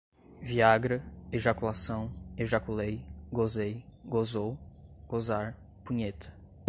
Viagra, ejaculação, ejaculei, gozei, gozou, gozar, punheta